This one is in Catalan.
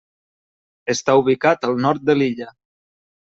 Està ubicat al nord de l'illa.